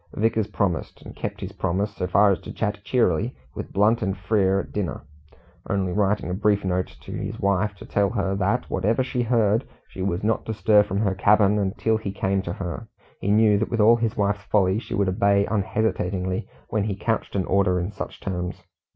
Vickers promised, and kept his promise so far as to chat cheerily with Blunt and Frere at dinner, only writing a brief note to his wife to tell her that, whatever she heard, she was not to stir from her cabin until he came to her; he knew that, with all his wife's folly, she would obey unhesitatingly, when he couched an order in such terms.